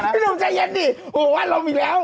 พี่นุ่มใจเย็นดิหัวว่าลงอีกแล้ว